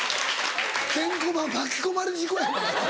ケンコバ巻き込まれ事故やない。